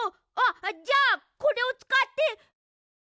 あっじゃあこれをつかって！